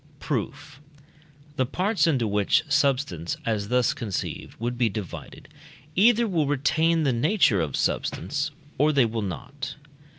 Proof. The parts into which substance as thus conceived would be divided either will retain the nature of substance, or they will not.